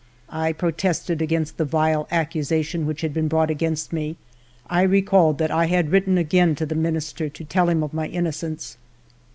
I protested against the vile accusation which had been brought against me ; I recalled that I had written again to the Minister to tell him of my innocence.